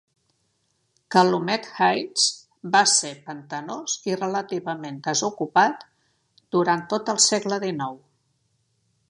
Calumet Heights va ser pantanós i relativament desocupat durant tot el segle XIX.